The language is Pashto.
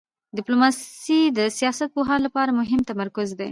ډیپلوماسي د سیاست پوهانو لپاره مهم تمرکز دی.